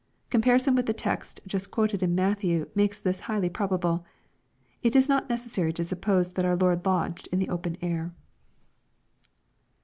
Comparison with the text just quoted in Matthew, makes this highly probable. It is not necessary to suppose that our Lord lodged in the open air.